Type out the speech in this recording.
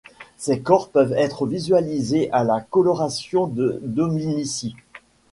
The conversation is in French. Ces corps peuvent être visualisés à la coloration de Dominici.